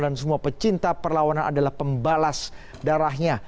dan semua pecinta perlawanan adalah pembalas darahnya